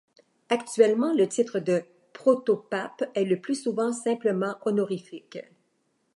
Actuellement, le titre de protopape est le plus souvent simplement honorifique.